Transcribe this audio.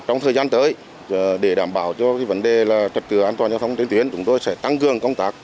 trong thời gian tới để đảm bảo cho vấn đề trật tự an toàn giao thông trên tuyến chúng tôi sẽ tăng cường công tác